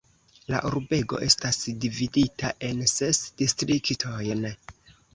La urbego estas dividita en ses distriktojn.